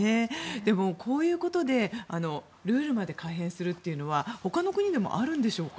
でも、こういうことでルールまで改変するというのはほかの国でもあるんでしょうか。